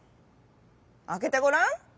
あけてごらん。